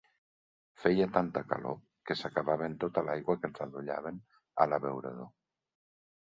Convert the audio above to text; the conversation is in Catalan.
Feia tanta calor que s'acabaven tota l'aigua que els adollaven a l'abeurador.